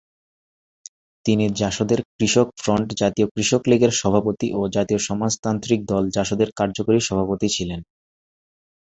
তিনি জাসদের কৃষক ফ্রন্ট জাতীয় কৃষক লীগের সভাপতি ও জাতীয় সমাজতান্ত্রিক দল জাসদের কার্যকরী সভাপতি ছিলেন।